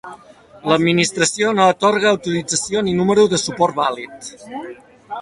L'Administració no atorga autorització ni número de suport vàlid.